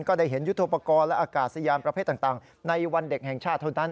ได้เห็นยุทธโปรกรณ์และอากาศยานประเภทต่างในวันเด็กแห่งชาติเท่านั้น